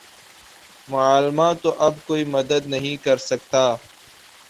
معاملہ تو اب کوئی مدد نہیں کر سکتا